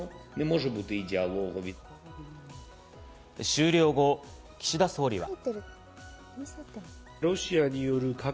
終了後、岸田総理は。